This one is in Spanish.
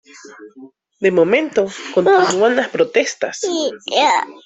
De momento, continúan las protestas.